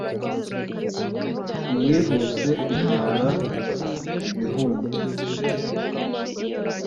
Iyihuse ibyara ibihumye.